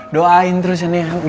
doain terus ya nek